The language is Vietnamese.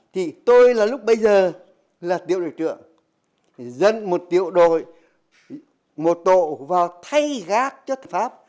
thì tôi là lúc bây giờ là tiểu đội trưởng dân một tiểu đội một tổ vào thay gác chất pháp